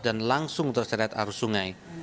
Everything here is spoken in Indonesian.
dan langsung terseret arus sungai